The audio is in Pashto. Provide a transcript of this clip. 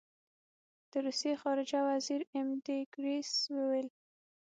د روسیې خارجه وزیر ایم ډي ګیرس وویل.